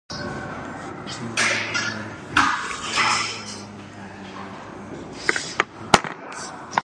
This includes further dual carriageway improvements east of Honiton towards the Blackdown Hills.